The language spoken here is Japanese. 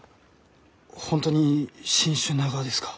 本当に新種ながですか？